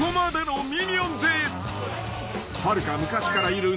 ［はるか昔からいる］